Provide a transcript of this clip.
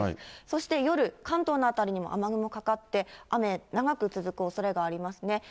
そして夜、関東の辺りにも雨雲かかって、雨、長く続くおそれがありますね。